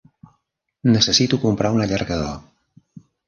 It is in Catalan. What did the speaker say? Necessito comprar un allargador